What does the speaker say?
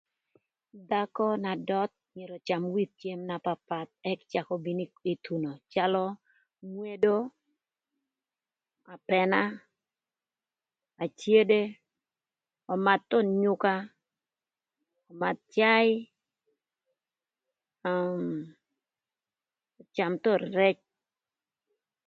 Dhakö na döth myero öcam with cem na papath ëk cak obin ï thuno calö ngwedo, apëna, acede, ömadh thon nyüka, ömadh caï, öcam thon rëc.